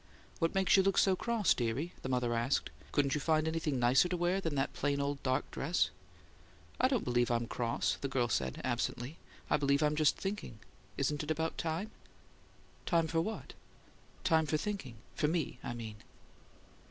"What makes you look so cross, dearie?" the mother asked. "Couldn't you find anything nicer to wear than that plain old dark dress?" "I don't believe I'm cross," the girl said, absently. "I believe I'm just thinking. Isn't it about time?" "Time for what?" "Time for thinking for me, I mean?"